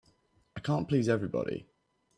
I can't please everybody.